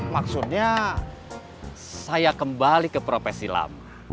maksudnya saya kembali ke profesi lama